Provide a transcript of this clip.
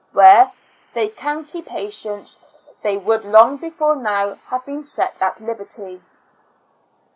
Were they county patients, they would long before now have been set at liberty.